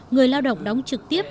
người lao động đóng trực tiếp